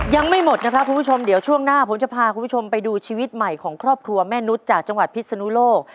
ยังไม่หมดนะครับคุณผู้ชมเดี๋ยวช่วงหน้าผมจะพาคุณผู้ชมไปดูชีวิตใหม่ของครอบครัวแม่นุษย์จากจังหวัดพิศนุโลก